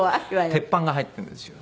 鉄板が入っているんですよ